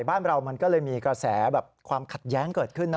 บ้านเรามันก็เลยมีกระแสแบบความขัดแย้งเกิดขึ้นนะ